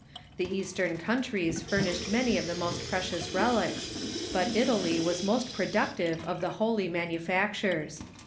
The Eastern countries furnished many of the most precious relics, but Italy was most productive of the holy manufactures.